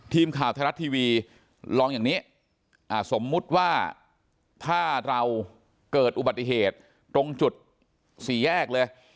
ทีมข่าวไทยรัฐทีวีลองอย่างนี้สมมุติว่าถ้าเราเกิดอุบัติเหตุตรงจุดสี่แยกเลย